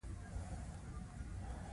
ما خپل ادرس درکړ ممکن هلته سره پیدا کړو